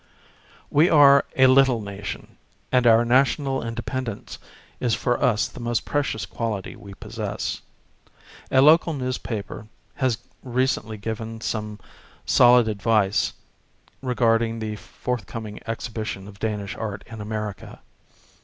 We are a little nation, and our national independence is for us the most precious quality we possess. A local news paper has recent^ given some soimd advice regarding the forthcoming exhibition of Danish art in America.